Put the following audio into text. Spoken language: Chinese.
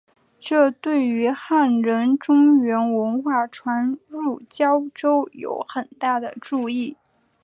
这对于汉人中原文化传入交州有很大的助益。